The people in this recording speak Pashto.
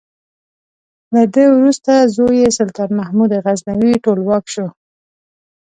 له ده وروسته زوی یې سلطان محمود غزنوي ټولواک شو.